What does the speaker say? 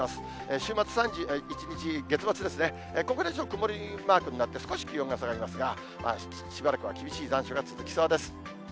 週末３１日、月末ですね、ここで曇りマークになって、少し気温が下がりますが、しばらくは厳しい残暑が続きそうです。